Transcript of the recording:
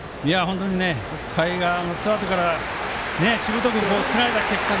北海がツーアウトからしぶとくつないだ結果